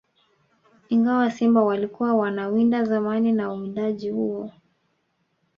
Ingawa simba walikuwa wanawindwa zamani na uwindaji huo